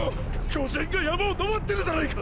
巨人が山を登ってるじゃないか！！